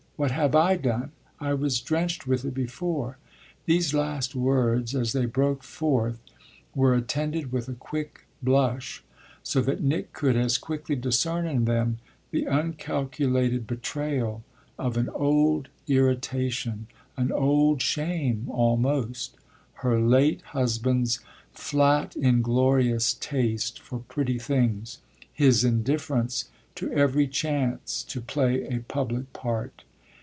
What have I done? I was drenched with it before." These last words, as they broke forth, were attended with a quick blush; so that Nick could as quickly discern in them the uncalculated betrayal of an old irritation, an old shame almost her late husband's flat, inglorious taste for pretty things, his indifference to every chance to play a public part.